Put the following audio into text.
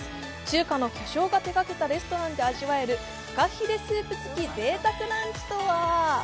中華の巨匠が手がけたレストランで味わえるフカヒレスープ付き贅沢ランチとは？